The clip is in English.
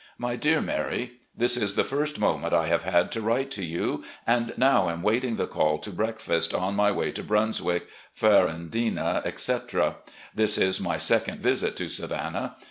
My Dear Mary: This is the first moment I have had to write to you, and now am waiting the call to breakfast, on my way to Brunswick, Femandina, etc. This is my second visit to Savannah.